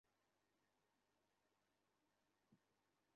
এখন মামলা তুলে নেওয়ার জন্য আমার পরিবারের সদস্যদের প্রাণনাশের হুমকি দিচ্ছেন।